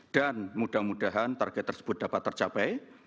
dan mudah mudahan target tersebut dapat tercapai